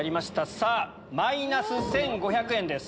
さぁマイナス１５００円です。